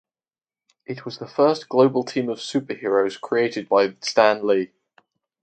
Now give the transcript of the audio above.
It was the first global team of Super Heroes created by Stan Lee.